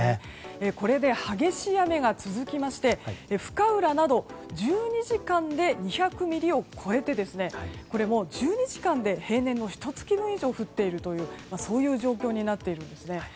これで激しい雨が続きまして深浦など１２時間で２００ミリを超えて１２時間で平年のひと月分以上降っているというそういう状況になっています。